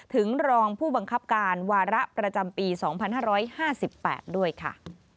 ถึงรองผู้บังคับการวาระประจำปี๒๕๕๘ด้วยค่ะ